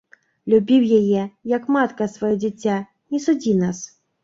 Любіў яе, як матка сваё дзіця, не судзі нас.